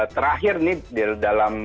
terakhir ini dalam